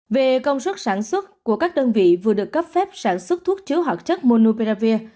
về công suất sản xuất của các đơn vị vừa được cấp phép sản xuất thuốc chứa hạt chất monupravir